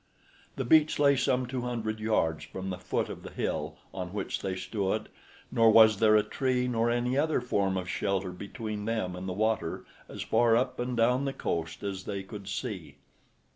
The beach lay some two hundred yards from the foot of the hill on which they stood, nor was there a tree nor any other form of shelter between them and the water as far up and down the coast as they could see.